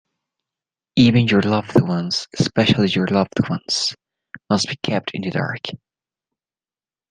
Even your loved ones-especially your loved ones-must be kept in the dark.